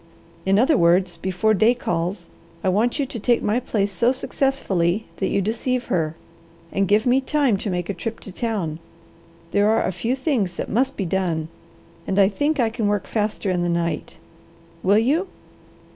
In other words, before day calls, I want you to take my place so successfully that you deceive her, and give me time to make a trip to town. There are a few things that must be done, and I think I can work faster in the night. Will you?"